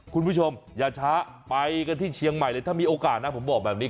คุณผู้ชมอย่าช้าไปกันที่เชียงใหม่เลยถ้ามีโอกาสนะผมบอกแบบนี้